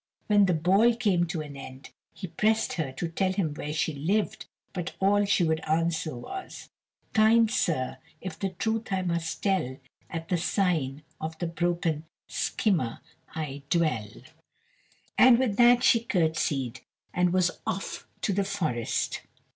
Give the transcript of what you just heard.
When the ball came to an end, he pressed her to tell him where she lived, but all she would answer was: "Kind sir, if the truth I must tell, At the sign of the 'Broken Skimmer' I dwell;" and with that she curtsied, and was off to the forest.